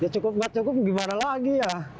ya cukup nggak cukup gimana lagi ya